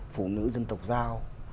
phụ nữ dân tộc giao